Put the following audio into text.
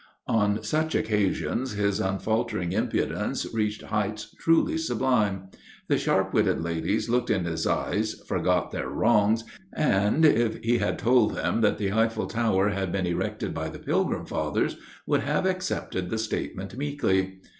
On such occasions his unfaltering impudence reached heights truly sublime. The sharp witted ladies looked in his eyes, forgot their wrongs, and, if he had told them that the Eiffel Tower had been erected by the Pilgrim Fathers, would have accepted the statement meekly.